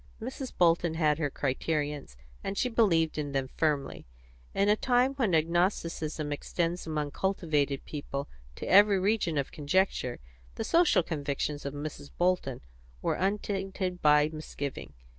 But Mrs. Bolton had her criterions, and she believed in them firmly; in a time when agnosticism extends among cultivated people to every region of conjecture, the social convictions of Mrs. Bolton were untainted by misgiving.